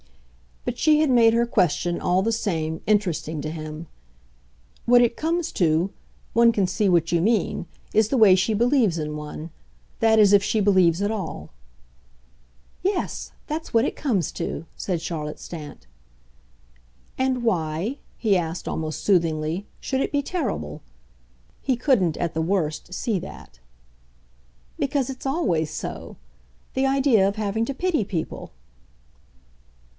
But she had made her question, all the same, interesting to him. "What it comes to one can see what you mean is the way she believes in one. That is if she believes at all." "Yes, that's what it comes to," said Charlotte Stant. "And why," he asked, almost soothingly, "should it be terrible?" He couldn't, at the worst, see that. "Because it's always so the idea of having to pity people."